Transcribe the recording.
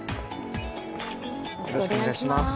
よろしくお願いします